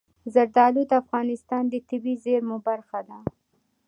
زردالو د افغانستان د طبیعي زیرمو برخه ده.